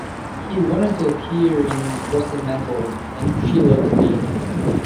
He went on to appear in "Russet Mantle" and "She Loves Me".